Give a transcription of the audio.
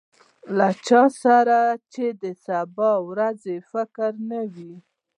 له چا سره چې د سبا ورځې فکر نه وي.